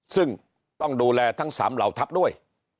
ซึ่งต้องดูแลทั้ง๓เหล่าทัพด้วย